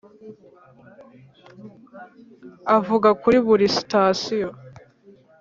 ivuga kuri buri sitasiyo.